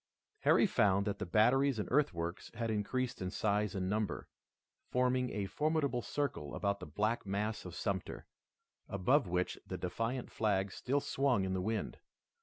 Harry found that the batteries and earthworks had increased in size and number, forming a formidable circle about the black mass of Sumter, above which the defiant flag still swung in the wind.